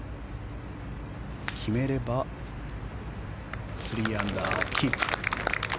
決めて３アンダーキープ。